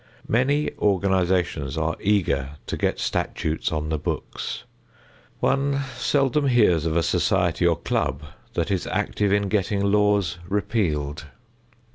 Many organizations are eager to get statutes on the books. One seldom hears of a society or club that is active in getting laws repealed.